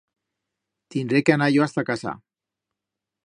Tinré que anar yo hasta casa.